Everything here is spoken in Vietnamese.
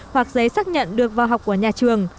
hoặc giấy xác nhận được vào học của nhà trường